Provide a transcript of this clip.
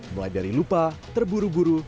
mulai dari lupa terburu buru